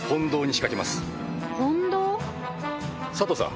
佐藤さん。